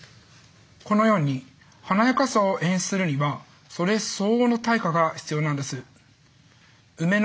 このように華やかさを演出するにはそれ相応の対価が必要なんです。